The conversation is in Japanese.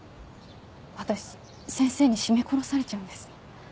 私先生に絞め殺されちゃうんですね。